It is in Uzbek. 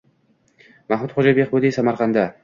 “Mahmudxo‘ja Behbudiy” – Samarqandda